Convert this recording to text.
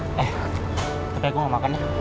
eh tapi aku gak makan ya